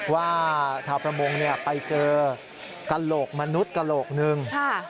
ว่าชาวประมงไปเจอกระโหลกมนุษย์กระโหลกหนึ่ง